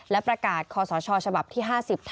และประกาศคอสชฉบับที่๕๐